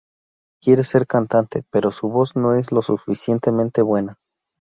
Quiere ser cantante, pero su voz no es lo suficientemente buena.